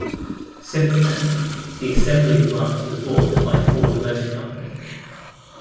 Since then, the assembly plant was bought by Ford Motor Company.